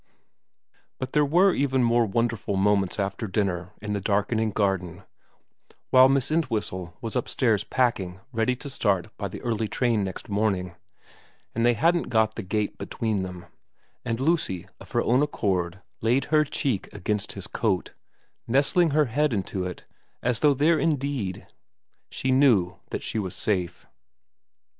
But there were even more wonderful moments after dinner in the darkening garden, while Miss Entwhistle was upstairs packing ready to start by the early train next morning, and they hadn't got the gate between them, and Lucy of her own accord laid her cheek against his coat, nestling her head into it as though there indeed she knew that she was safe.